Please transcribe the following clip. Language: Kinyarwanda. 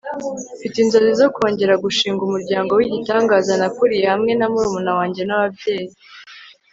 mfite inzozi zo kongera gushinga umuryango w'igitangaza nakuriye hamwe na murumuna wanjye n'ababyeyi